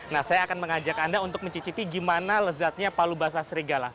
nah saya akan mengajak anda untuk mencicipi gimana lezatnya palu basah serigala